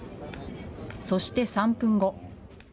そして３分後。